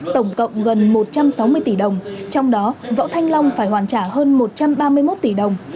tổng cộng gần một trăm sáu mươi tỷ đồng trong đó võ thanh long phải hoàn trả hơn một trăm ba mươi một tỷ đồng